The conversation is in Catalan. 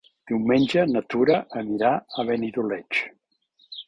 Diumenge na Tura anirà a Benidoleig.